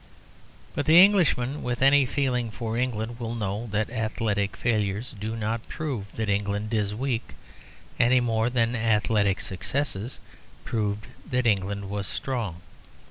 But the Englishman with any feeling for England will know that athletic failures do not prove that England is weak, any more than athletic successes proved that England was strong.